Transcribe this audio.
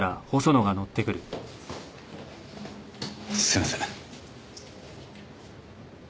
すいません。